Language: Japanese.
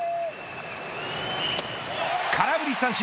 空振り三振。